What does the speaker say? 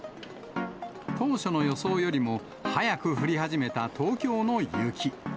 当初の予想よりも早く降り始めた東京の雪。